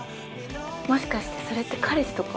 もしかしてそれって彼氏とか？